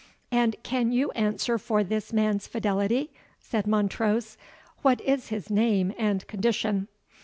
"And can you answer for this man's fidelity?" said Montrose; "what is his name and condition?"